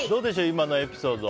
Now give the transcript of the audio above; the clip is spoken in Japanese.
今のエピソード。